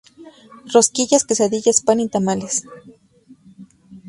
Rosquillas, quesadillas, pan y tamales.